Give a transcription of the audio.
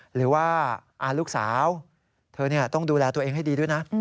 หรือว่าลูกสาวเธอต้องดูแลตัวเองให้ดีด้วยนะ